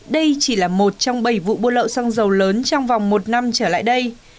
đây chỉ là một trong bảy vụ buôn lậu xăng dầu lớn trong vòng một năm trở lại đây